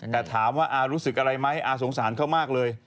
แต่ถามว่าอารู้สึกอะไรไหมอาสงสารเขามากเลย